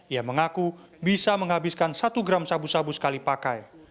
ia mengaku bisa menghabiskan satu gram sabu sabu sekali pakai